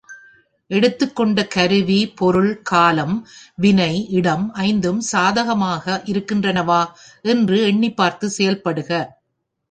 எடுத்துக்கொண்ட பொருள், கருவி, காலம், வினை, இடம் ஐந்தும் சாதகமாக இருக்கின்றனவா என்று எண்ணிப் பார்த்துச் செயல்படுக.